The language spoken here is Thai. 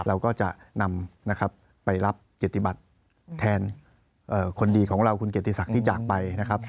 เราก็จะนำไปรับเกตติบัตรแทนคนดีของเราคุณเกตติศักดิ์ที่จากไป